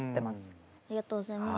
ありがとうございます。